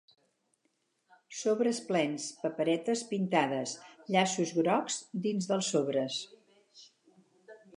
Sobres plens, paperetes pintades, llaços grocs dins dels sobres.